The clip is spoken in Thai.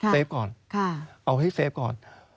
เฟฟก่อนเอาให้เฟฟก่อน